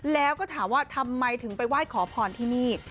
แล้วก็ถามว่าทำไมถึงไปไหว้ขอพรที่นี่